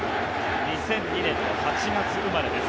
２００２年の８月生まれです。